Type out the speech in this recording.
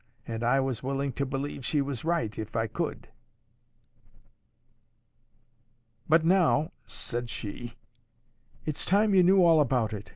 And I was willing to believe she was right, if I could. 'But now,' said she, 'it's time you knew all about it.